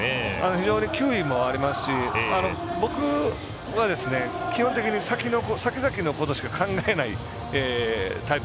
非常に球威もありますし僕は、基本的にさきざきのことしか考えないタイプ。